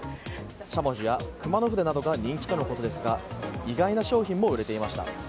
しゃもじや熊野筆などが人気とのことですが意外な商品も売れていました。